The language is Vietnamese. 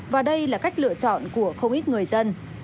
và đây là cách lựa chọn của không ít người dân